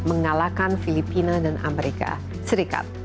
mengalahkan filipina dan amerika serikat